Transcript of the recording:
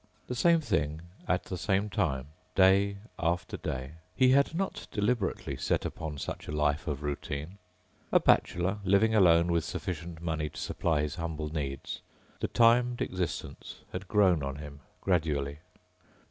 The same thing, at the same time, day after day. He had not deliberately set upon such a life of routine. A bachelor, living alone with sufficient money to supply his humble needs, the timed existence had grown on him gradually.